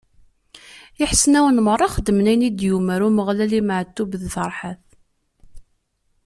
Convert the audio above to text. Iḥesnawen meṛṛa xedmen ayen i d-yumeṛ Umeɣlal i Meɛtub d Ferḥat.